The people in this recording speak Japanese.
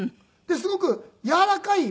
すごくやわらかい。